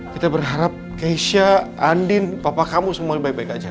kita berharap keisha andin papa kamu semuanya baik baik aja